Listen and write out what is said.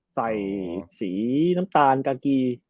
ใส่สีน้ำตาลกากี